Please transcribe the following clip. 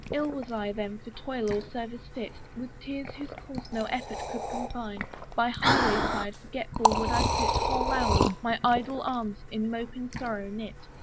Ill was I then for toil or service fit: With tears whose course no effort could confine, By high way side forgetful would I sit Whole hours, my idle arms in moping sorrow knit.